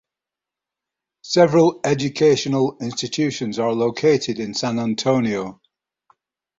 Several educational institutions are located in San Antonio.